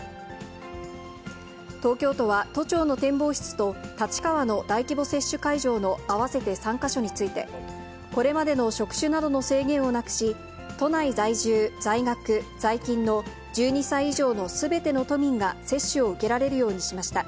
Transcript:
東京都は、都庁の展望室と立川の大規模接種会場の合わせて３か所について、これまでの職種などの制限をなくし、都内在住、在学、在勤の、１２歳以上のすべての都民が接種を受けられるようにしました。